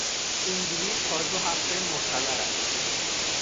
این بلیط تا دو هفته معتبر است.